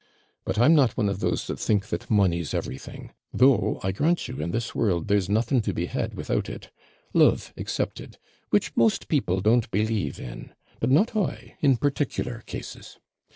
But I'm not one of those that think that money's everything though, I grant you, in this world, there's nothing to be had without it love excepted which most people don't believe in but not I in particular cases.